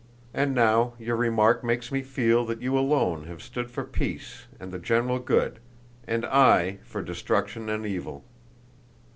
And now your remark makes me feel that you alone have stood for peace and the general good, and I for destruction and evil."